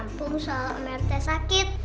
apa masalah prt sakit